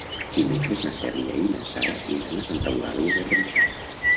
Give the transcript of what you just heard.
Dimecres na Cèlia i na Sara iran a Santa Eulàlia de Ronçana.